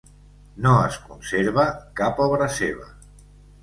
No es conserva cap obra seva.